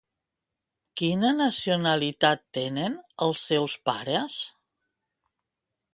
Quina nacionalitat tenen els seus pares?